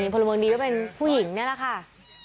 พลเมืองดีก็เป็นผู้หญิงนี่แหละค่ะ